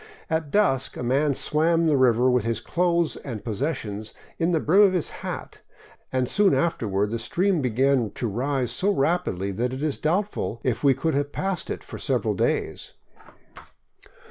At dusk a man swam the river with his clothing and pos sessions in the brim of his hat, and soon afterward the stream began to rise so rapidly that it Is doubtful if we could have passed it for several days.